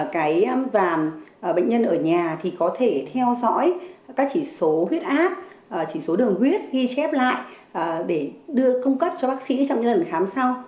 cái và bệnh nhân ở nhà thì có thể theo dõi các chỉ số huyết áp chỉ số đường huyết ghi chép lại để đưa cung cấp cho bác sĩ trong cái lần khám sau